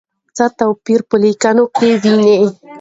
څه توپیر په لیکنه کې نه وینو؟